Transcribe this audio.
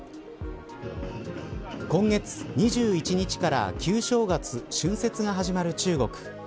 今月２１日から旧正月、春節が始まる中国。